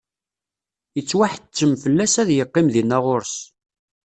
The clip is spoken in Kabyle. Yettwaḥettem fell-as ad yeqqim dinna ɣur-s.